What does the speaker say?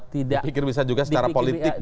pikir bisa juga secara politik